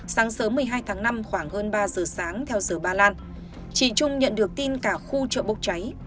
sáng sớm một mươi hai tháng năm khoảng hơn ba giờ sáng theo giờ ba lan chị trung nhận được tin cả khu chợ bốc cháy